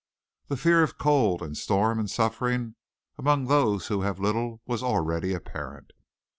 The fear of cold and storm and suffering among those who have little was already apparent.